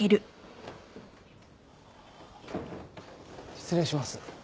失礼します。